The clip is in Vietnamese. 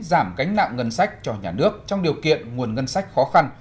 giảm cánh nặng ngân sách cho nhà nước trong điều kiện nguồn ngân sách khó khăn